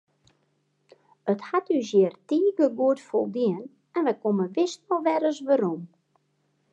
It hat ús hjir tige goed foldien en wy komme wis noch ris werom.